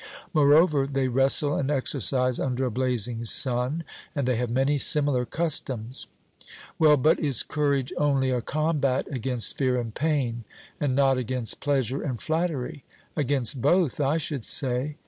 Moreover they wrestle and exercise under a blazing sun, and they have many similar customs.' Well, but is courage only a combat against fear and pain, and not against pleasure and flattery? 'Against both, I should say.'